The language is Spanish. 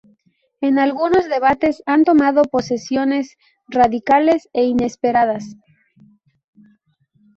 En algunos debates han tomado posiciones radicales e inesperadas.